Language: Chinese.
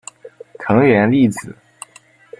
藤原丽子